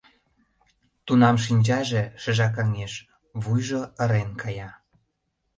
Тунам шинчаже шыжакаҥеш, вуйжо ырен кая.